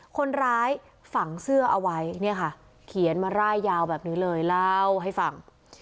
คนร้ายฝังเสื้อเอาไว้เนี่ยค่ะเขียนมาร่ายยาวแบบนี้เลยเล่าให้ฟัง